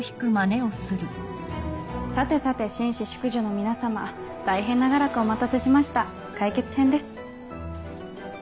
さてさて紳士淑女の皆様大変長らくお待たせしました解決編です。